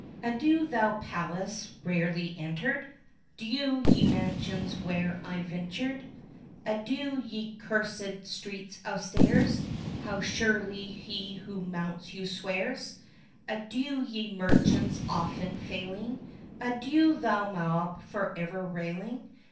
Adieu, thou palace rarely entered! Adieu, ye mansions where I've ventured! Adieu, ye cursèd streets of stairs! 5 (How surely he who mounts you swears!) Adieu, ye merchants often failing! Adieu, thou mob for ever railing!